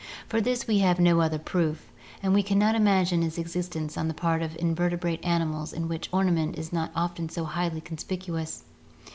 For this we have no other proof, and we can not imagine its existence on the part of invertebrate animals in which ornament is often so highly conspicuous.